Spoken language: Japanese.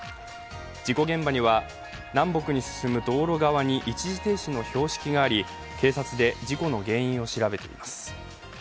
事故現場には南北に進む道路側に一時停止の標識があり警察で、事故の原因を調べています